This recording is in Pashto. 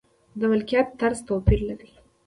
د ملکیت طرز توپیر لري.